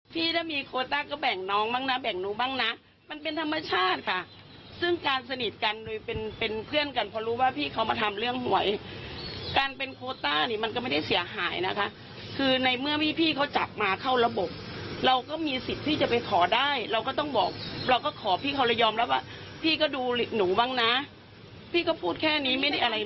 พี่ถ้ามีโคต้าก็แบ่งน้องบ้างนะแบ่งหนูบ้างนะมันเป็นธรรมชาติค่ะซึ่งการสนิทกันโดยเป็นเป็นเพื่อนกันเพราะรู้ว่าพี่เขามาทำเรื่องหวยการเป็นโคต้านี่มันก็ไม่ได้เสียหายนะคะคือในเมื่อพี่พี่เขาจับมาเข้าระบบเราก็มีสิทธิ์ที่จะไปขอได้เราก็ต้องบอกเราก็ขอพี่เขาเลยยอมรับว่าพี่ก็ดูหนูบ้างนะพี่ก็พูดแค่นี้ไม่ได้อะไร